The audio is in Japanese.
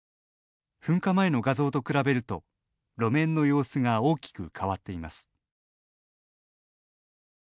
噴火前の画像と比べると路面の様子が大きく変わっています。